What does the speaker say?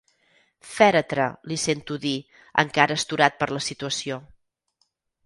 Fèretre, li sento dir, encara astorat per la situació.